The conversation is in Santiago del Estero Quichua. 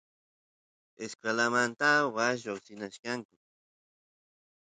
escuelamanta waas lloqsinachkanku